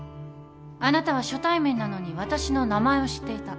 あなたは初対面なのに私の名前を知っていた。